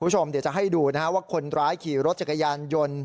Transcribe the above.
จะให้ดูว่าคนร้ายขี่รถเจักรยายันยนต์